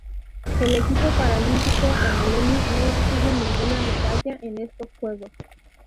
El equipo paralímpico angoleño no obtuvo ninguna medalla en estos Juegos.